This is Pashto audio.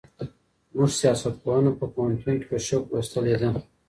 موږ سياست پوهنه په پوهنتون کي په شوق لوستلې ده.